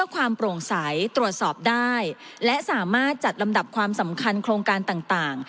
ความสำคัญโครงการต่าง